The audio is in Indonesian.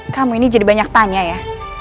kamu ini jadi banyak tanya ya